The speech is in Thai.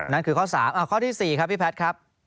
นั่นคือข้อ๓ข้อที่๔ครับพี่แพทย์ครับ